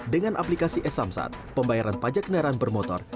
dengan aplikasi e samsat pembayaran pajak kendaraan bermotor